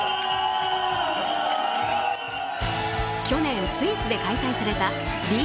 去年、スイスで開催されたＢＭＸ